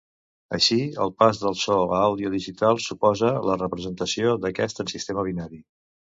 Així, el pas del so a àudio digital suposa la representació d'aquest en sistema binari.